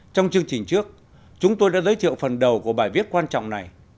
trong chương trình trước chúng tôi đã giới thiệu phần đầu của bài viết quan trọng này